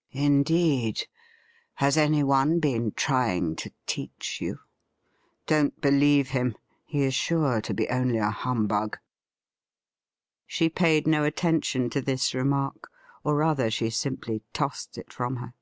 ' Indeed ! has anyone been trying to teach you ? Don't believe him ; he is sure to be only a humbug.' She paid no attention to this remark, or, rather, she simply tossed it from her.